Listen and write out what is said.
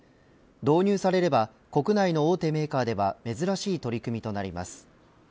導入されれば国内の大手メーカーでは珍しい取り組みとなります。